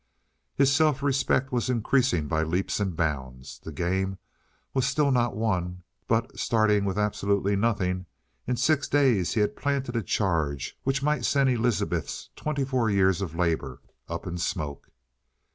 His self respect was increasing by leaps and bounds. The game was still not won, but, starring with absolutely nothing, in six days he had planted a charge which might send Elizabeth's twenty four years of labor up in smoke.